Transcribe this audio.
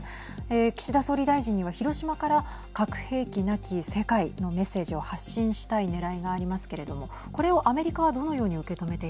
岸田総理大臣には広島から核兵器なき世界のメッセージを発信したいねらいがありますけどもこれをアメリカはどのようにはい。